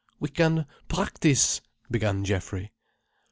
"We can practise—" began Geoffrey.